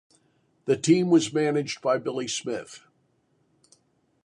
The team was managed by Billy Smith.